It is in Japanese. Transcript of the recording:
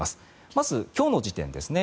まず今日の時点ですね。